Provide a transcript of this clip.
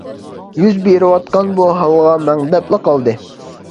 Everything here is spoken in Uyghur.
يۈز بېرىۋاتقان بۇ ھالغا مەڭدەپلا قالدى.